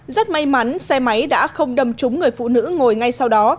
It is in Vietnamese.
rất may mắn xe máy đã không đâm trúng người phụ nữ ngồi ngay sau đó